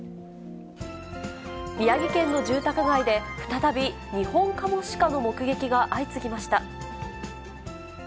宮城県の住宅街で、再びニホンカモシカの目撃が相次ぎました。